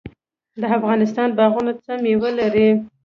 د افغانستان باغونه څه میوې لري؟